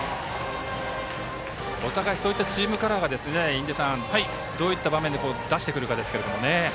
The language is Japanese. お互いそういったチームカラーを印出さん、どういった場面で出してくるかですね。